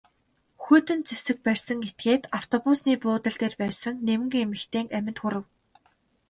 Хүйтэн зэвсэг барьсан этгээд автобусны буудал дээр байсан нэгэн эмэгтэйн аминд хүрэв.